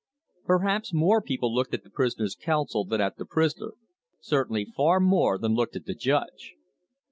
Perhaps more people looked at the prisoner's counsel than at the prisoner, certainly far more than looked at the judge.